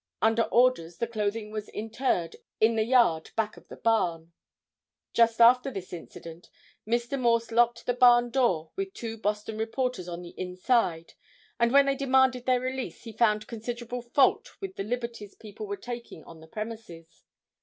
Under orders the clothing was interred in the yard back of the barn. Just after this incident, Mr. Morse locked the barn door with two Boston reporters on the inside, and when they demanded their release he found considerable fault with the liberties people were taking on the premises.